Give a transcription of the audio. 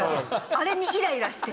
あれにイライラして。